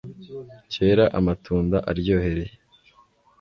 kera amatunda aryohereye